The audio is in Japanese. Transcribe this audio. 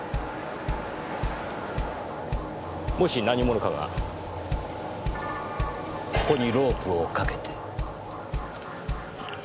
もし何者かがここにロープを掛けて。